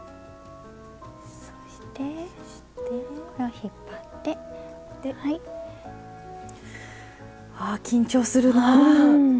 そしてこれを引っ張って。は緊張するなぁ。